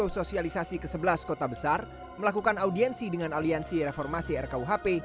sosialisasi ke sebelas kota besar melakukan audiensi dengan aliansi reformasi rkuhp